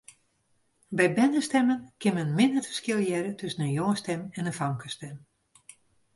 By bernestimmen kin men min it ferskil hearre tusken in jongesstim en in famkesstim.